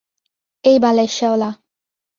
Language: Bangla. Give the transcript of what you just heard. এই বালের শেওলা!